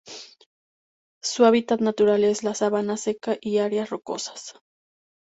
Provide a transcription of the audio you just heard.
Su hábitat natural es la sabana seca y áreas rocosas.